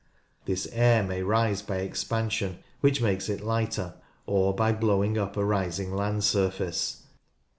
This air may rise by expansion, which makes it lighter, or by blowing up a rising land surface.